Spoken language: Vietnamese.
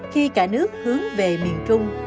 khi cả nước hướng về miền trung